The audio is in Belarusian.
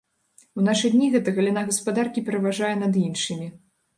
У нашы дні гэта галіна гаспадаркі пераважае над іншымі.